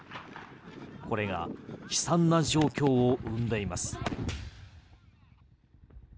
これが悲惨な状況を生んでいます。